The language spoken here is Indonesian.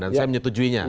dan saya menyetujuinya